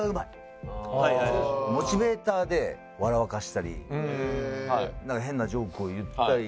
モチベーターで笑わかせたりなんか変なジョークを言ったり。